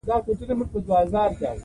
اوښ د افغانستان د طبعي سیسټم توازن ساتي.